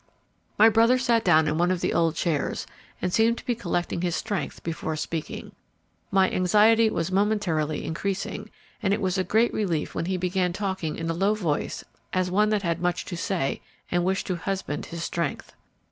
My brother sat down in one of the old chairs, and seemed to be collecting his strength before speaking. My anxiety was momentarily increasing, and it was a great relief when he began, talking in a low voice as one that had much to say and wished to husband his strength.